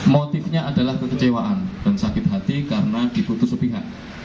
motifnya adalah kekecewaan dan sakit hati karena diputus sepihak